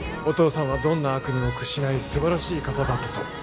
お父さんはどんな悪にも屈しない素晴らしい方だったと